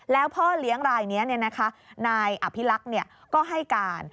แล้วพ่อเลี้ยงรายนี้นายอภิรักษ์ก็ให้การ